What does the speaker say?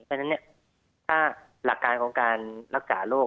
เพราะฉะนั้นถ้าหลักการของการรักษาโรค